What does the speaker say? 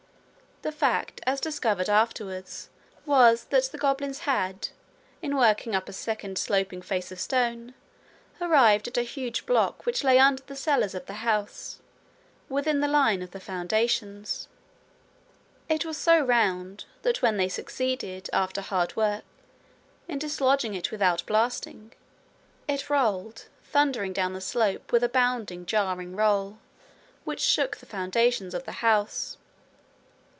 The fact, as discovered afterwards, was that the goblins had, in working up a second sloping face of stone, arrived at a huge block which lay under the cellars of the house, within the line of the foundations. It was so round that when they succeeded, after hard work, in dislodging it without blasting, it rolled thundering down the slope with a bounding, jarring roll, which shook the foundations of the house.